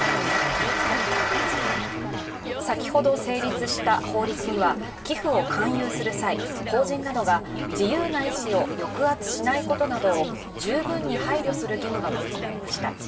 先ほど成立した法律には寄付を勧誘する際法人などが自由な意思を抑圧しないことなどを十分に配慮する義務が盛り込まれました。